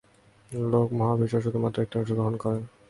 লোক মহাবিশ্ব শুধুমাত্র একটি অংশ গঠন করে।